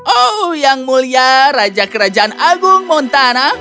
oh yang mulia raja kerajaan agung montana